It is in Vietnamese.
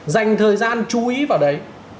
dành thời gian chú ý vào đấy